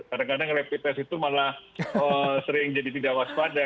kadang kadang rapid test itu malah sering jadi tidak waspada